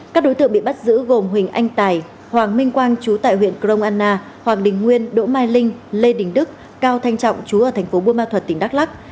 các đối tượng bị bắt giữ gồm huỳnh anh tài hoàng minh quang chú tại huyện crong anna hoàng đình nguyên đỗ mai linh lê đình đức cao thanh trọng chú ở thành phố buôn ma thuật tỉnh đắk lắc